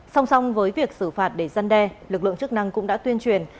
song song với việc xử phạt để giăn đe lực lượng chức năng cũng đã tuyên truyền